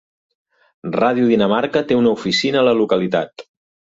Ràdio Dinamarca té una oficina a la localitat.